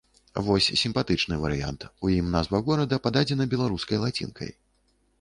Вось сімпатычны варыянт, у ім назва горада пададзена беларускай лацінкай.